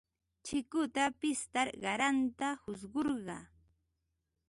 Chikuta pishtar qaranta hurqushqaa.